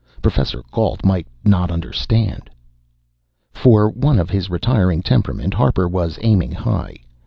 Professor Gault might not understand.... For one of his retiring temperament, Harper was aiming high.